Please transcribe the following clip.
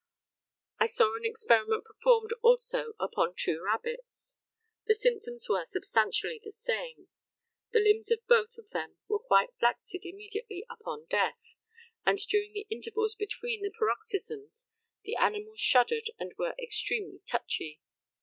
I saw an experiment performed also upon two rabbits. The symptoms were substantially the same; the limbs of both of them were quite flaccid immediately upon death; and during the intervals between the paroxysms the animals shuddered and were extremely "touchy."